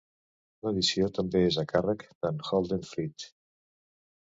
L'edició també és a càrrec d'en Holden Frith.